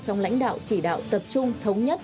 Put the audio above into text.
trong lãnh đạo chỉ đạo tập trung thống nhất